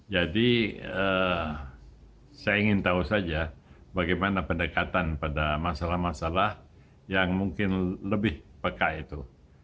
jadi saya ingin tahu saja bagaimana pendekatan pada masalah masalah yang mungkin lebih peka itu